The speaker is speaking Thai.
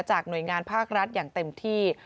หน่วยงานภาครัฐอย่างเต็มที่